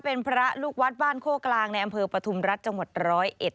เป็นพระลูกวัดบ้านโคกลางในอำเภอปฐุมรัฐจังหวัดร้อยเอ็ด